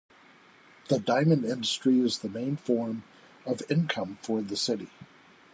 The diamond industry is the main form of income for the city.